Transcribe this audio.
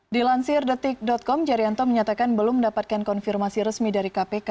dilansir detik com jarianto menyatakan belum mendapatkan konfirmasi resmi dari kpk